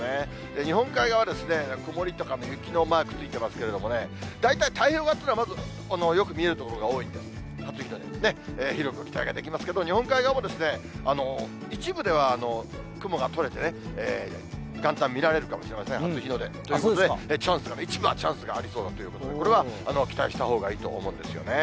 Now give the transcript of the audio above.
日本海側は曇りとか雪のマークついてますけれどもね、大体太平洋側というのはまずよく見える所が多いんです、初日の出、広く期待ができますけど、日本海側も一部では雲が取れてね、元旦、見られるかもしれません、初日の出。ということで、チャンスがね、一部はチャンスがありそうだということで、これは期待したほうがいいと思うんですよね。